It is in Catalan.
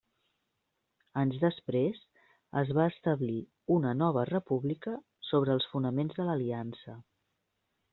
Anys després es va establir una Nova República sobre els fonaments de l'Aliança.